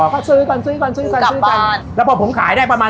ก็ซื้อกันซื้อกันแล้วพอผมขายได้ประมาณ